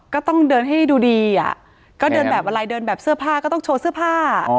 ก็ต้องเดินให้ดูดีอ่ะก็เดินแบบอะไรเดินแบบเสื้อผ้าก็ต้องโชว์เสื้อผ้า